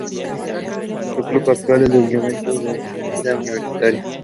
Su club actual es Juventud Unida Universitario.